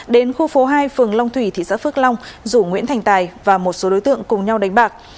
đến khu phố hai phường long thủy thị xã phước long rủ nguyễn thành tài và một số đối tượng cùng nhau đánh bạc